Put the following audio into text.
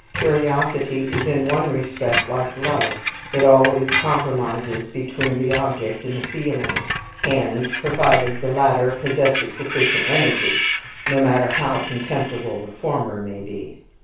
Curiosity is in one respect like love, it always compromises between the object and the feeling; and provided the latter possesses sufficient energy, no matter how contemptible the former may be.